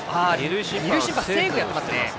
二塁審判、セーフとしていますね。